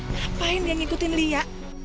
ngapain dia ngikutin lia